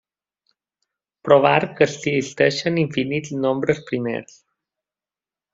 Provar que existeixen infinits nombres primers.